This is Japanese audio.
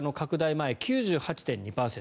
前は９８．２％。